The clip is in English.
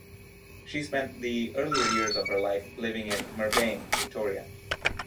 She spent the earlier years of her life living in Merbein, Victoria.